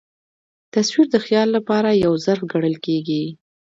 تصویر د خیال له پاره یو ظرف ګڼل کېږي.